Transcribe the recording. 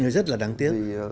rất là đáng tiếc